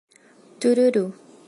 Tururu